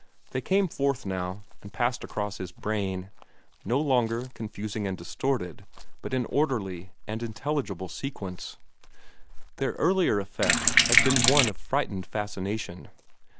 They came forth now, and passed across his brain no longer confusing and distorted, but in orderly and intelligible sequence. Their earlier effect had been one of frightened fascination.